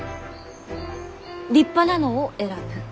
立派なのを選ぶ。